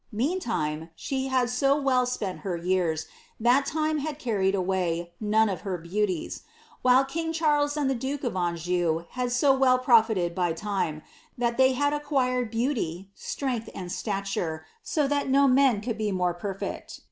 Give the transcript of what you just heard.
Mean MM, she had so well spent her years, that time had carried away none of her beauties ; while king Charles and the duke of Anj(»u had so well profiled by time, that they had acquired beauty, strength, and stature, m that no men could be more perfect.